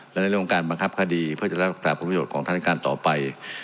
และในเรื่องของการบังคับคดีเพื่อจะรักษาผลประโยชน์ของท่านการต่อไป